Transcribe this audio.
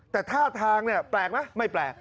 แต่ท่าทางแปลกไหมไม่แปลก